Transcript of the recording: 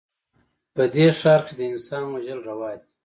په دې ښـار کښې د انسان وژل روا دي